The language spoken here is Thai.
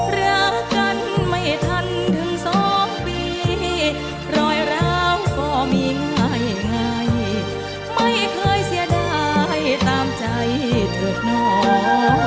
เหลือกันไม่ทันถึงสองปีรอยร้าวก็มีไงไม่เคยเสียดายตามใจเถอะเนาะ